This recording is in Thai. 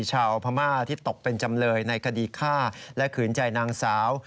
ชาวพม่าที่ตกเป็นจำเลยในคดีฆ่าและขืนใจนางสาว